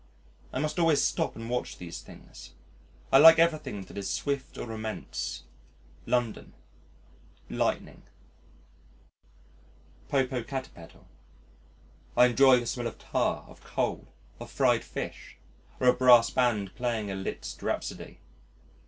I must always stop and watch these things. I like everything that is swift or immense: London, lightning, Popocatepetl. I enjoy the smell of tar, of coal, of fried fish, or a brass band playing a Liszt Rhapsody.